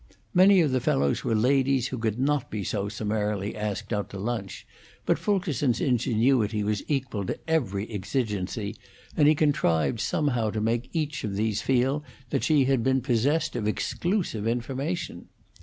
Many of the fellows were ladies who could not be so summarily asked out to lunch, but Fulkerson's ingenuity was equal to every exigency, and he contrived somehow to make each of these feel that she had been possessed of exclusive information.